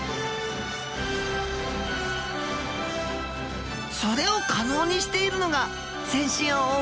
それを可能にしているのが全身を覆うヌメリ。